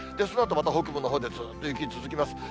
そのあとまた北部のほうでずっと雪続きます。